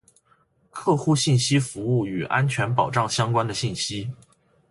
·客户服务信息和与安全保障相关的信息。